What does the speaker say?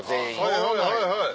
はいはいはいはい。